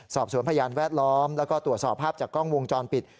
สอบสวนพยานแวดล้อมแล้วก็ตรวจสอบภาพจากกล้องวงจรปิด